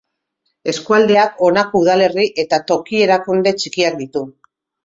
Eskualdeak honako udalerri eta toki-erakunde txikiak ditu.